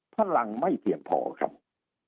พลังไม่เพียงพอครับ